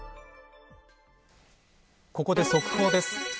ここで速報です。